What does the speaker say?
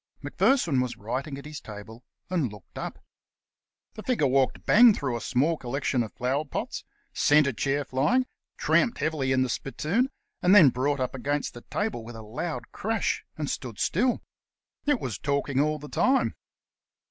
Macpherson was writing at his table, and looked up. The figure walked bang through a small collection of flower pots, sent a chair flying, tramped heavily in the spit toon, and then brought up against the table with a loud crash and stood still. It was talking all the time.